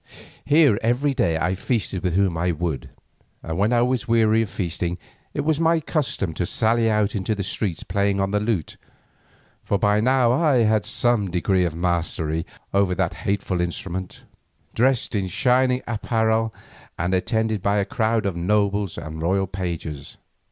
Here every day I feasted with whom I would, and when I was weary of feasting it was my custom to sally out into the streets playing on the lute, for by now I had in some degree mastered that hateful instrument, dressed in shining apparel and attended by a crowd of nobles and royal pages.